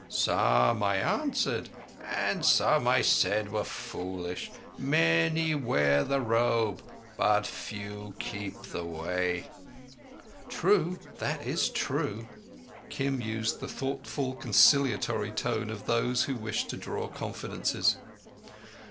Some I answered, and some I said were foolish. Many wear the Robe, but few keep the Way." "True. That is true." Kim used the thoughtful, conciliatory tone of those who wish to draw confidences.